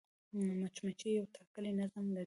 مچمچۍ یو ټاکلی نظم لري